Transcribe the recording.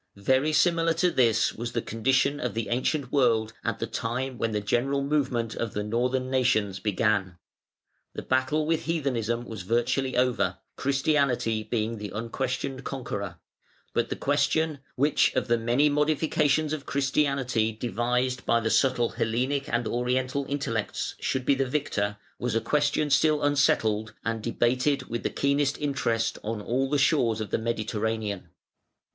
Very similar to this was the condition of the ancient world at the time when the general movement of the Northern nations began. The battle with heathenism was virtually over, Christianity being the unquestioned conqueror; but the question, which of the many modifications of Christianity devised by the subtle Hellenic and Oriental intellects should be the victor, was a question still unsettled, and debated with the keenest interest on all the shores of the Mediterranean.